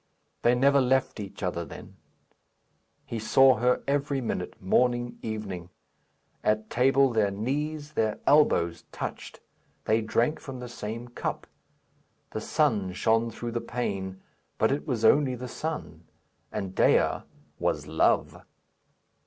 They never left each other then; he saw her every minute, morning, evening. At table their knees, their elbows, touched; they drank from the same cup; the sun shone through the pane, but it was only the sun, and Dea was Love.